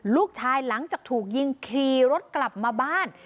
หลังจากถูกยิงขี่รถกลับมาบ้าน